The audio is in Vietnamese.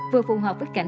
vừa phù hợp với khách hàng